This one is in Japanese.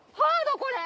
これ！